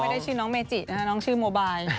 ไม่ได้ชื่อน้องเมจินะฮะน้องชื่อโมไบล์